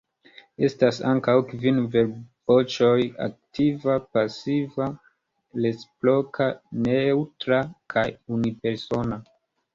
Estas ankaŭ kvin verbvoĉoj: aktiva, pasiva, reciproka, neŭtra kaj unipersona.